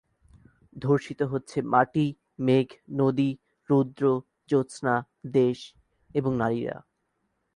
ধর্ষিত হচ্ছে মাটি মেঘ নদী রৌদ্র জ্যোৎস্না দেশ, এবং নারীরা।